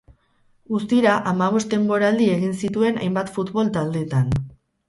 Guztira, hamabost denboraldi egin zituen hainbat futbol taldeetan.